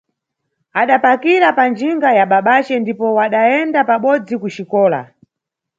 Adapakira panjinga ya babace ndipo wadayenda pabodzi kuxikola.